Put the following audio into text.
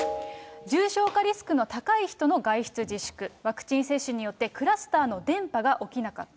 重症化リスクの高い人の外出自粛、ワクチン接種によってクラスターの伝ぱが起きなかった。